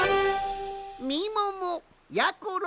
みももやころ